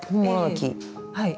はい。